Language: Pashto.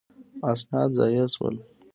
اسناد ضایع شول.